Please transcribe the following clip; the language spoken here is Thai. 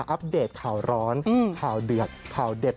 อัปเดตข่าวร้อนข่าวเดือดข่าวเด็ด